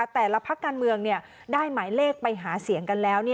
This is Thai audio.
แต่ละพักการเมืองได้หมายเลขไปหาเสียงกันแล้ว